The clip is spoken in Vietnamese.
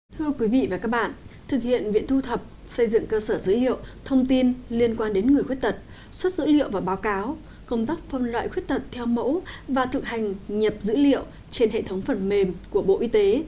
thưa quý vị và các bạn thực hiện viện thu thập xây dựng cơ sở dữ liệu thông tin liên quan đến người khuyết tật xuất dữ liệu và báo cáo công tác phân loại khuyết tật theo mẫu và thực hành nhập dữ liệu trên hệ thống phần mềm của bộ y tế